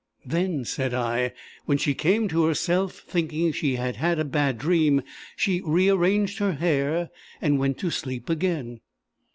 "Then," said I, "when she came to herself, thinking she had had a bad dream, she rearranged her hair, and went to sleep again!"